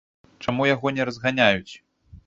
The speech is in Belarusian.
Чаму яго не разганяюць?